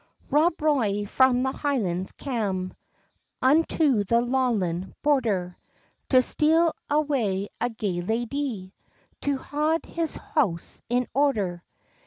ROB ROY from the Highlands cam, Unto the Lawlan' border, To steal awa a gay ladie To haud his house in order.